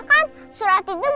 papenya kamu sudah jadi mama